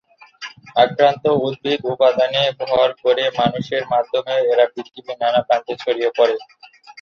আক্রান্ত উদ্ভিদ-উপাদানে ভর করে মানুষের মাধ্যমেও এরা পৃথিবীর নানা প্রান্তে ছড়িয়ে পড়ে।